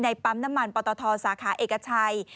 ปั๊มน้ำมันปตทสาขาเอกชัย